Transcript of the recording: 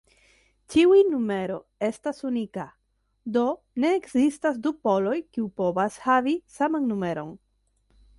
Ĉiuj numero estas unika, do ne ekzistas du poloj kiu povas havi saman numeron.